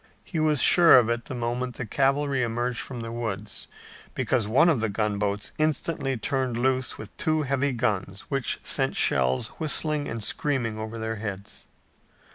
He was sure of it the moment the cavalry emerged from the woods, because one of the gunboats instantly turned loose with two heavy guns which sent shells whistling and screaming over their heads.